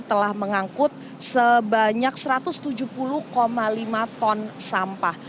telah mengangkut sebanyak satu ratus tujuh puluh lima ton sampah